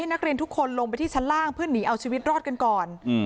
นักเรียนทุกคนลงไปที่ชั้นล่างเพื่อหนีเอาชีวิตรอดกันก่อน